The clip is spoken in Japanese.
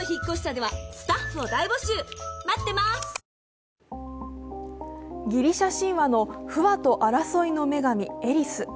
ニトリギリシャ神話の不和と争いの女神・エリス。